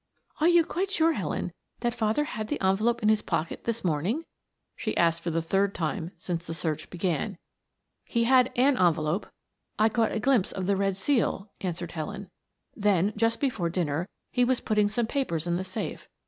"Are you quite sure, Helen, that father had the envelope in his pocket this morning?" she asked for the third time since the search began. "He had an envelope I caught a glimpse of the red seal," answered Helen. "Then, just before dinner he was putting some papers in the safe.